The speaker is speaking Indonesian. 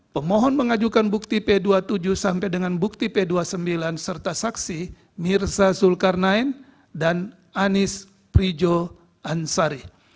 pemohon mengajukan bukti p dua puluh tujuh sampai dengan bukti p dua puluh sembilan serta saksi mirza zulkarnain dan anies prijo ansari